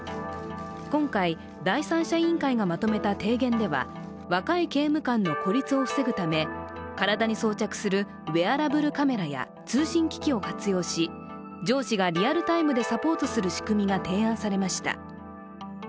今回、第三者委員会がまとめた提言では若い刑務官の孤立を防ぐため体に装着するウエアラブルカメラや通信機器を活用し上司がリアルタイムでサポートする仕組みが提案されました。